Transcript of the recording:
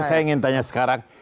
saya ingin tanya sekarang